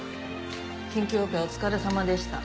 緊急オペお疲れさまでした。